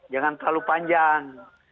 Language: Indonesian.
jangan terlalu panjang